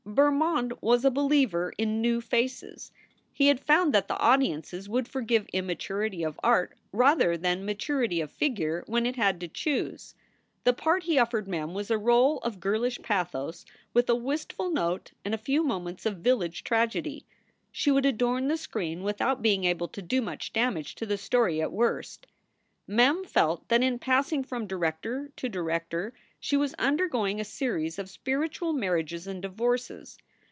Bermond was a believer in "new faces." He had found that the audiences would forgive immaturity of art rather than maturity of figure when it had to choose. The part he offered Mem was a role of girlish pathos with a wistful note and a few moments of village tragedy. She would adorn the screen without being able to do much damage to the story at worst. Mem felt that in passing from director to director she was undergoing a series of spiritual marriages and divorces.